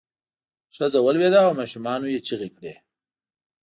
ښځه ولویده او ماشومانو یې چغې کړې.